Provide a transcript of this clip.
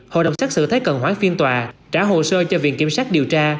hội đồng xét xử thấy cần hoán phiên tòa trả hồ sơ cho viện kiểm sát điều tra